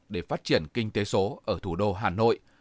để phát triển kinh tế số ở thủ đô hà nội